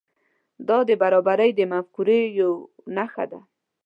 دا د برابري د مفکورې یو نښه ده.